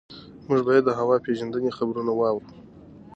موږ باید د هوا پېژندنې خبرونه واورو.